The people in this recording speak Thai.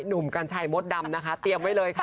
หนุ่มกัญชัยมดดำนะคะเตรียมไว้เลยค่ะ